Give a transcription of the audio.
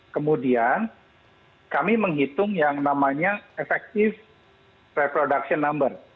kemudian kami menghitung yang namanya effective reproduction number